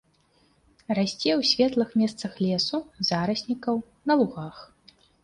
Расце ў светлых месцах лесу, зараснікаў, на лугах.